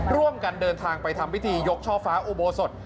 ร่วมกันเดินทางไปทำพิธียกช่อฟ้าอุโบสถ